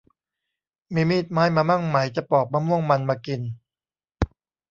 มีมีดไม้มามั่งไหมจะปอกมะม่วงมันมากิน